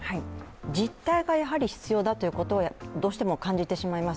実態がやはり必要だということはどうしても感じてしまいます。